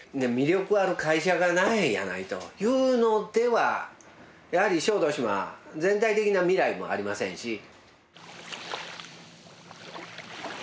魅力ある会社がないやないというのではやはり小豆島全体的な未来もありませんし。